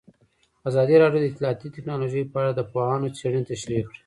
ازادي راډیو د اطلاعاتی تکنالوژي په اړه د پوهانو څېړنې تشریح کړې.